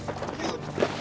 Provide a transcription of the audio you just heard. saya akan menang